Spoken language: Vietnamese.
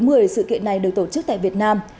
người sự kiện này được tổ chức tại việt nam